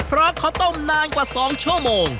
เพราะเขาต้มนานกว่า๒ชั่วโมง